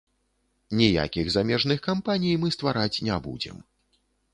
Ніякіх замежных кампаній мы ствараць не будзем.